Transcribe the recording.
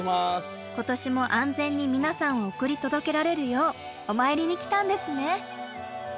今年も安全に皆さんを送り届けられるようお参りに来たんですね。